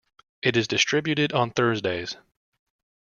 It is distributed on Thursdays.